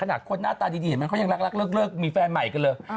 ขนาดคนหน้าตาดีเขายังรักมีแฟนใหม่อีกกันเลย